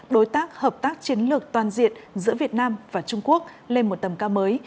đối tác hợp tác chiến lược toàn diện giữa việt nam và trung quốc lên một tầm cao mới